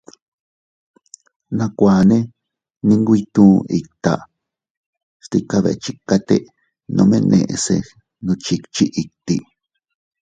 Nakuanne ndi nwito itta, stika betchikate, nome neʼese gnuchikchi itti.